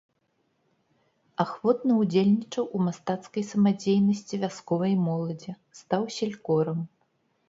Ахвотна ўдзельнічаў у мастацкай самадзейнасці вясковай моладзі, стаў селькорам.